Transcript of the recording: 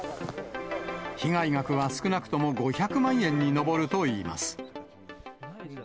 被害額は少なくとも５００万円に上るといいます。